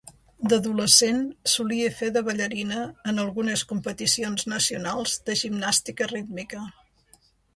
D'adolescent, solia fer de ballarina en algunes competicions Nacionals de gimnàstica rítmica.